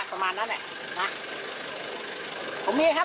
ประมาณนั้นเนี่ยนะฮะ